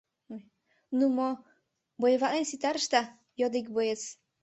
— Ну мо, воеватлен ситарышда? — йодо ик боец.